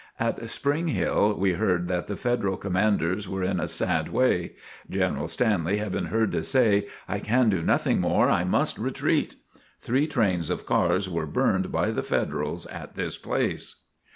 At Spring Hill we heard that the Federal commanders were in a sad way. General Stanley had been heard to say, "I can do nothing more; I must retreat." Three trains of cars were burned by the Federals at this place.